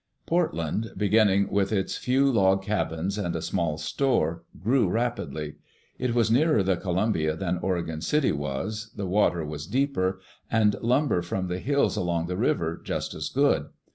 Portland, beginning with its few log cabins and a small store, grew rapidly. It was nearer the Columbia than Oregon City was, the water was deeper, and lumber from the hills along the river just as good.